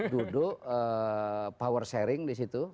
duduk power sharing di situ